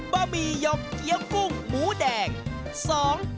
๑บะหมี่หยอกเกี๊ยวกุ้งหมูแดง